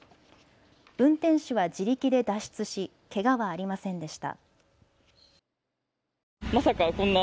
運転手は自力で脱出し、けがはありませんでした。